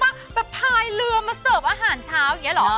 แบบพายเรือมาเสิร์ฟอาหารเช้าอย่างนี้เหรอ